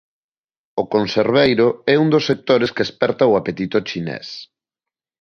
O conserveiro é un dos sectores que esperta o apetito chinés.